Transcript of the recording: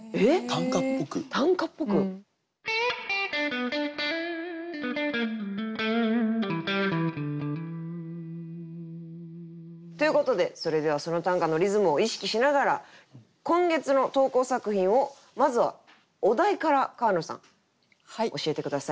短歌っぽく？ということでそれではその短歌のリズムを意識しながら今月の投稿作品をまずはお題から川野さん教えて下さい。